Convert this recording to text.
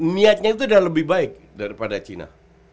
niatnya itu udah lebih baik daripada china